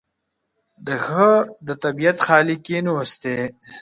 دښته د طبیعت خالي کینوس دی.